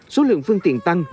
số lượng phương tiện tăng